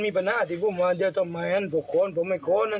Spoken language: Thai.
นึงเขาเจอไหม